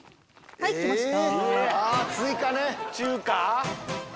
はいきました。